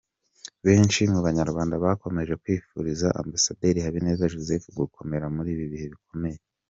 Benshi mu banyarwanda bakomeje kwifuriza ambasaderi Habineza Joseph gukomera muri ibihe bikomeye.